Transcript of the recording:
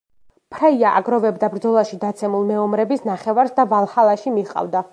ფრეია აგროვებდა ბრძოლაში დაცემულ მეომრების ნახევარს და ვალჰალაში მიყავდა.